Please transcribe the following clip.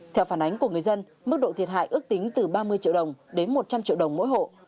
theo phản ánh của người dân mức độ thiệt hại ước tính từ ba mươi triệu đồng đến một trăm linh triệu đồng mỗi hộ